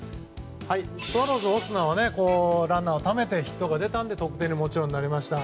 スワローズのオスナはランナーをためてヒットが出て得点になりました。